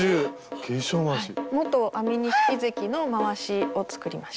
元安美錦関のまわしを作りました。